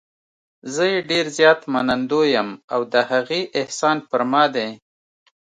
زه یې ډېر زیات منندوی یم او د هغې احسان پر ما دی.